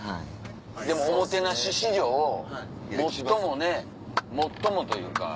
でもおもてなし史上最もね最もというか。